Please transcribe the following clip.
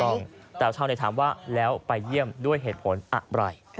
ถูกต้องแต่ชาวเน็ตถามว่าแล้วไปเยี่ยมด้วยเหตุผลอะไร